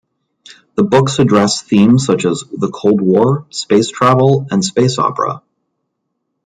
The books address themes such as the Cold War, space travel, and space opera.